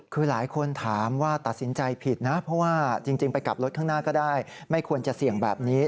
คือหลายคนถามว่าตัดสินใจผิดนะเพราะว่าจริงไปกลับรถข้างหน้าก็ได้ไม่ควรจะเสี่ยงแบบนี้